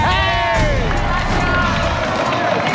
โดดยอด